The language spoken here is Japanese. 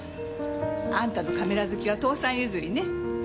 あんたのカメラ好きは父さん譲りね。